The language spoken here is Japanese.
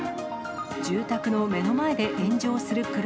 住宅の目の前で炎上する車。